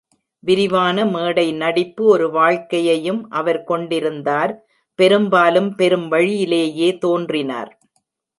விரிவான மேடை நடிப்பு ஒரு வாழ்க்கையையும் அவர் கொண்டிருந்தார், பெரும்பாலும் பெரும் வழியிலேயே தோன்றினார்.